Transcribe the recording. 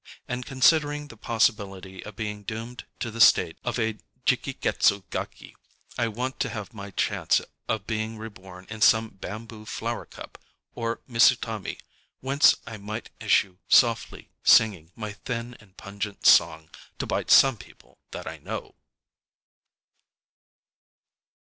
And, considering the possibility of being doomed to the state of a Jiki ketsu gaki, I want to have my chance of being reborn in some bamboo flower cup, or mizutam├®, whence I might issue softly, singing my thin and pungent song, to bite some people that I know.